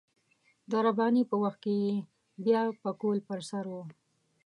د رباني په وخت کې يې بيا پکول پر سر و.